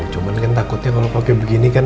cuman kan takutnya kalo pake begini kan